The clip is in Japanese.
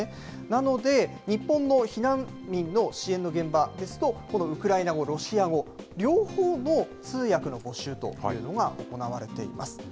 なので、日本の避難民の支援の現場ですと、このウクライナ語、ロシア語、両方の通訳の募集というのが行われています。